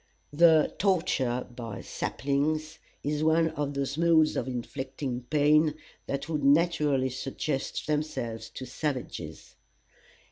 The "torture by saplings" is one of those modes of inflicting pain that would naturally suggest themselves to savages.